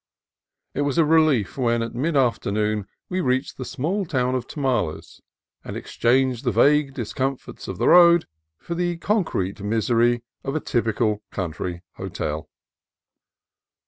It was a relief when, at mid afternoon, we reached the small town of Tomales, and exchanged the vague discomforts of the road for the concrete misery of a typical coun try hotel.